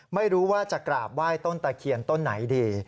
ไม่รู้ว่าจะกราบไหว้ต้นตะเคียนต้นไหนดี